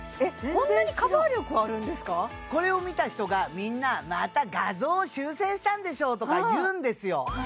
こんなにカバー力あるんですかこれを見た人がみんな「また画像を修整したんでしょ」とか言うんですよ